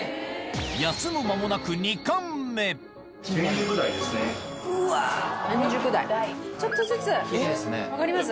休む間もなくちょっとずつ分かります？